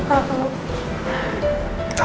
aku mau tau